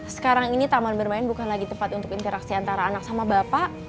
sekarang ini taman bermain bukan lagi tempat untuk interaksi antara anak sama bapak